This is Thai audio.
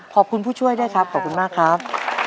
ผู้ช่วยด้วยครับขอบคุณมากครับ